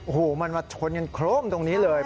โอ้โหมันมาชนกันโครมตรงนี้เลย